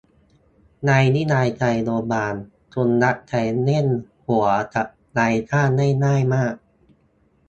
ในนิยายไทยโบราณ คนรับใช้เล่นหัวกับนายจ้างได้ง่ายมาก